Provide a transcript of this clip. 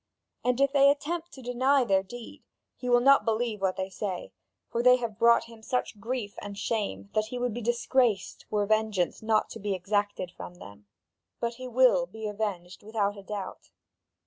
And if they attempt to deny their deed, he will not believe what they say, for they have brought him such grief and shame that he would be disgraced were vengeance not to be exacted from them; but he will be avenged without a doubt.